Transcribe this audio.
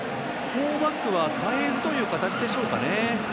フォーバックは変えずという形でしょうかね。